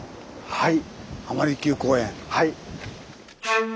はい。